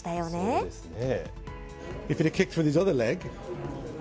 そうですね。